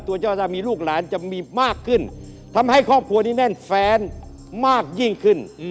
เจ้าถ้ามีลูกหลานจะมีมากขึ้นทำให้ครอบครัวนี้แน่นแฟนมากยิ่งขึ้น